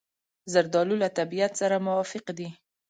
زردالو له طبیعت سره موافق دی.